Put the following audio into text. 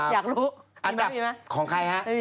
อยากรู้อันดับของใครฮะ